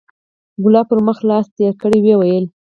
ګلاب پر مخ لاس تېر کړ ويې ويل.